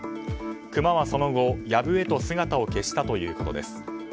クマはその後、藪へと姿を消したということです。